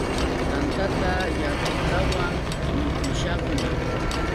Tantata yakutawan mikushaqmi.